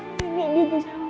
kita panggilin suster aja pak